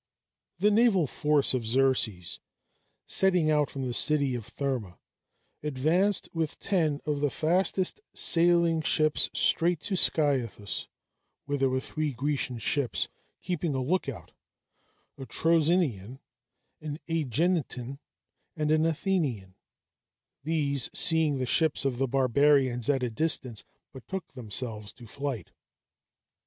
The naval force of Xerxes, setting out from the city of Therma, advanced with ten of the fastest sailing ships straight to Scyathus, where were three Grecian ships keeping a look out: a Troezenian, an Æginetan, and an Athenian, These, seeing the ships of the barbarians at a distance, betook themselves to flight.